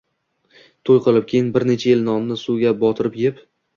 To‘y qilib, keyin bir necha yil nonni suvga botirib yeb